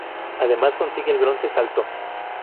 Además consigue el bronce salto.